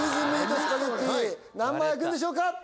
何枚あくんでしょうか？